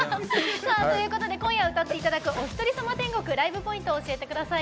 今夜、歌っていただく「おひとりさま天国」ライブポイントを教えてください。